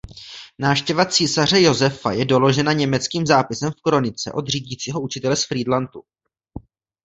Návštěva císaře Josefa je doložena německým zápisem v kronice od řídícího učitele z Frýdlantu.